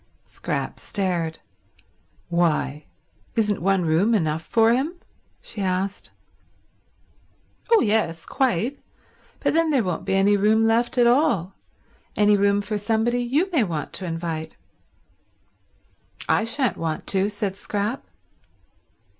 Scrap stared. "Why, isn't one room enough for him?" she asked. "Oh yes, quite. But then there won't be any room left at all— any room for somebody you may want to invite." "I shan't want to," said Scrap.